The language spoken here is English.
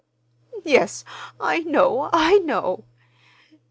"Yes, I know, I know."